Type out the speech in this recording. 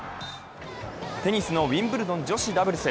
テニスのウィンブルドン女子ダブルス。